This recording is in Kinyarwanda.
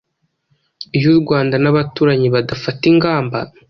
iyo u Rwanda n’abaturanyi badafata ingamba